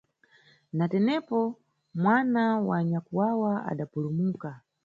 Na tenepo, mwana wa nyakwawa adapulumuka.